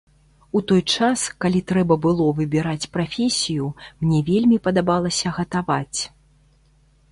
У той час, калі трэба было выбіраць прафесію, мне вельмі падабалася гатаваць.